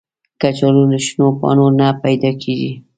کچالو له شنو پاڼو نه پیدا کېږي